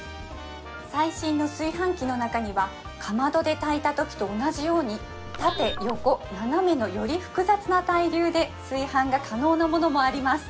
最新の炊飯器の中にはかまどで炊いたときと同じように縦横斜めのより複雑な対流で炊飯が可能なものもあります